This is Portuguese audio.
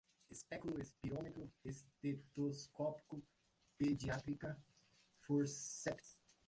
espéculo, espirômetro, estetoscópio, pediátrica, fórceps